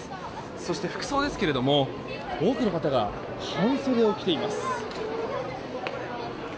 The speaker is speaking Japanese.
そして服装ですが多くの方が半袖を着ています。